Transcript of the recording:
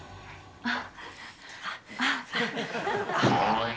あっ。